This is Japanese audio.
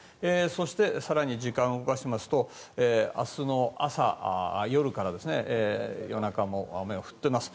そして、更に時間を動かしますと明日の朝、夜から夜中も雨も降っています。